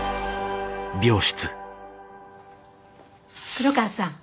黒川さん